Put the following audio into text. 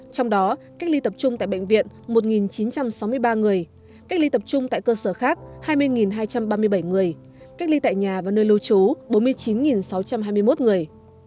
trong đó cách ly tập trung tại bệnh viện một chín trăm sáu mươi ba người cách ly tập trung tại cơ sở khác hai mươi hai trăm ba mươi bảy người cách ly tại nhà và nơi lưu trú bốn mươi chín sáu trăm hai mươi một người